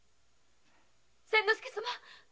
千之助様。